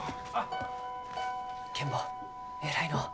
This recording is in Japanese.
ケン坊偉いのう。